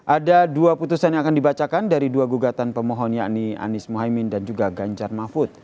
ada dua putusan yang akan dibacakan dari dua gugatan pemohon yakni anies mohaimin dan juga ganjar mahfud